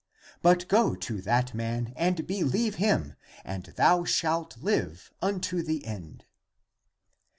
But go to that man and believe him, and thou shalt live unto the end."